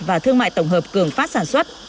và thương mại tổng hợp cường phát sản xuất